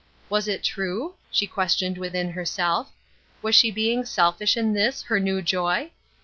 Was it true? she questioned within herself. Was she being selfish in this, her new joy?